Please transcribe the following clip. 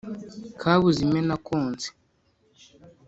kabuze imena konse